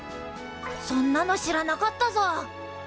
そんなの知らなかったぞ！